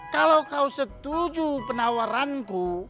kalo kau setuju penawaranku